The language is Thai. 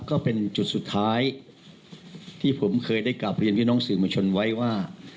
ก็เป็นจุดสุดท้ายที่ผมเคยได้กลับเรียนพี่น้องสื่อมวลชนไว้ว่า